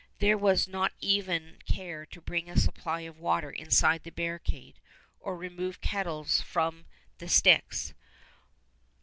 There was not even care to bring a supply of water inside the barricade or remove kettles from the sticks.